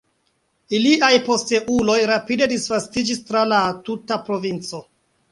Iliaj posteuloj rapide disvastiĝis tra la tuta provinco.